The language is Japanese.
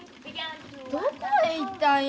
どこへ行ったんや。